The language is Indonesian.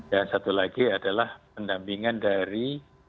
dan satu lagi adalah pendampingan dari